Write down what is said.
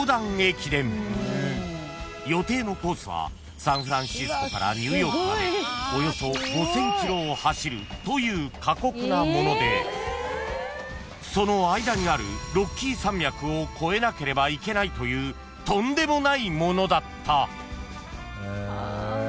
［予定のコースはサンフランシスコからニューヨークまでおよそ５，０００ｋｍを走るという過酷なものでその間にあるロッキー山脈を越えなければいけないというとんでもないものだった］